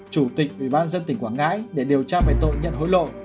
chủ tịch ủy ban dân tỉnh quảng ngãi để điều tra về tội nhận hối lộ